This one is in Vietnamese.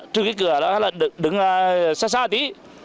trừ cái cửa đó là đứng xa xa tí